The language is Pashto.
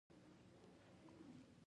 د احمد اصلی نوم محمود دی